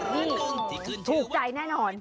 นี่ถูกใจแน่นอน